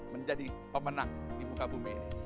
menjadi pemenang di muka bumi ini